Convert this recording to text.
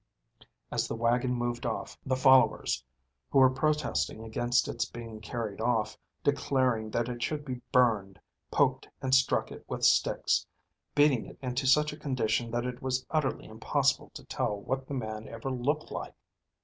As the wagon moved off, the followers, who were protesting against its being carried off, declaring that it should be burned, poked and struck it with sticks, beating it into such a condition that it was utterly impossible to tell what the man ever looked like.